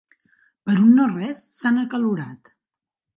Per un no res, s'han acalorat.